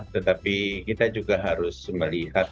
tetapi kita juga harus melihat